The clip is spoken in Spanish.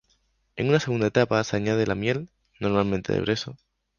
En una segunda etapa se añade la miel, normalmente de brezo.